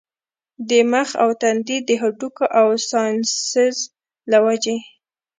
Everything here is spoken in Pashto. د مخ او تندي د هډوکو يا سائنسز له وجې